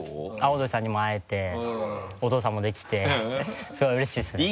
オードリーさんにも会えてお父さんもできてすごいうれしいですね。